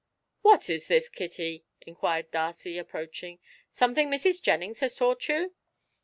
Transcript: "What is this, Kitty?" inquired Darcy, approaching; "something Mrs. Jennings has taught you?"